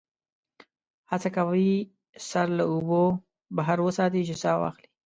هڅه کوي سر له اوبو بهر وساتي چې سا واخلي.